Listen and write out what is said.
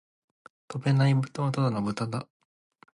飛べないブタはただの豚だ